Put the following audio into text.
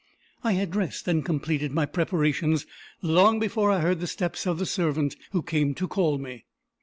I had dressed and completed my preparations long before I heard the steps of the servant who came to call me.